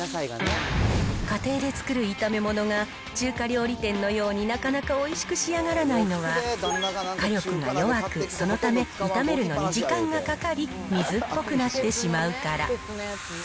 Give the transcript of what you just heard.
家庭で作る炒め物が中華料理店のように、なかなかおいしく仕上がらないのは、火力が弱く、そのため、炒めるのに時間がかかり、水っぽくなってしまうから。